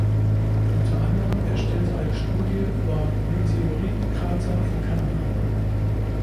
Unter anderem erstellte eine Studie über Meteoritenkrater in Kanada.